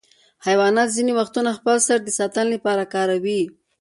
حیوانات ځینې وختونه خپل سر د ساتنې لپاره کاروي.